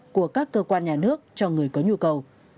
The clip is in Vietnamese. của các cơ quan nhà nước cho người có nhu cầu